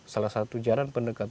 salah satu jalan pendekatan